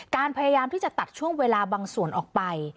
พยายามที่จะตัดช่วงเวลาบางส่วนออกไป